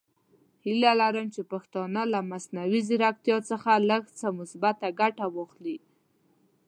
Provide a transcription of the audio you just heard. هیله لرم چې پښتانه له مصنوعي زیرکتیا څخه لږ څه مثبته ګټه واخلي.